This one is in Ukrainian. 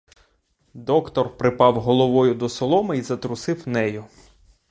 Доктор припав головою до соломи й затрусив нею.